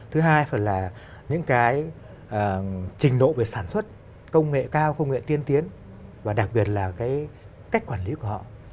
thứ hai phần là những cái trình độ về sản xuất công nghệ cao công nghệ tiên tiến và đặc biệt là cái cách quản lý của họ